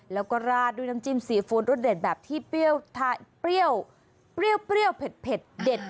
แล้วก็ราดด้วยน้ำจิ้มซีฟู้ดรสเด็ดแบบที่เปรี้ยวเปรี้ยวเผ็ดเด็ด